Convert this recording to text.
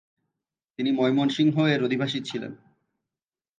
তিনি ময়মনসিংহ এর অধিবাসী ছিলেন ।